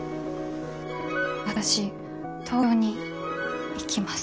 私東京に行きます。